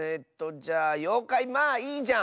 じゃあ「ようかいまあいいじゃん」！